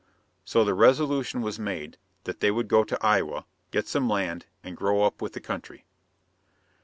So the resolution was made that they would go to Iowa, get some land, and grow up with the country.